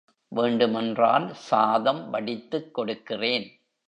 வேண்டு மென்றால் சாதம் வடித்துக் கொடுக்கிறேன்.